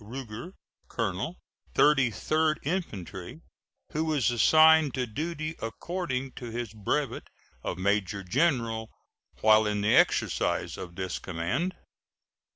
Ruger, colonel Thirty third Infantry, who is assigned to duty according to his brevet of major general while in the exercise of this command.